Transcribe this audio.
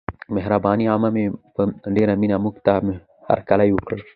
مهربانه عمه مې په ډېره مینه موږته هرکلی وکړ.